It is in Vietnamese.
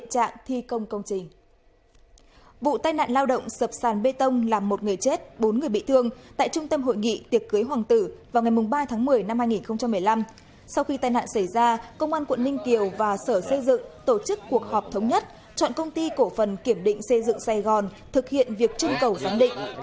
tại trung tâm hội nghị tiệc cưới hoàng tử vào ngày ba tháng một mươi năm hai nghìn một mươi năm sau khi tai nạn xảy ra công an quận ninh kiều và sở xây dựng tổ chức cuộc họp thống nhất chọn công ty cổ phần kiểm định xây dựng sài gòn thực hiện việc trưng cầu giám định